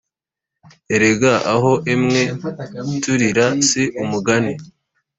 Erega aho emwe, Tulira si umugani.